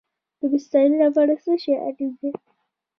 د بسترې لپاره څه شی اړین دی؟